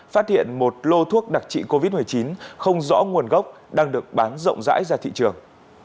phát hiện một lô thuốc đặc trị covid một mươi chín không rõ nguồn gốc đang được bán rộng rãi ra thị trường